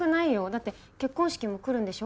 だって結婚式も来るんでしょ？